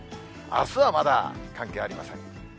あすはまだ関係ありません。